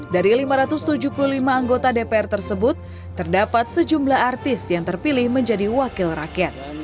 dari lima ratus tujuh puluh lima anggota dpr tersebut terdapat sejumlah artis yang terpilih menjadi wakil rakyat